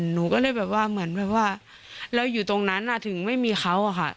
หนูก็เลยแบบว่าเหมือนแบบว่าแล้วอยู่ตรงนั้นถึงไม่มีเขาอะค่ะ